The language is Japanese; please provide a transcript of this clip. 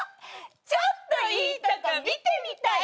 「ちょっといいとこ見てみたい。